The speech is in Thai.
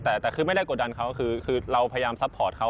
แต่คือไม่ได้กดดันเขาคือเราพยายามซัพพอร์ตเขา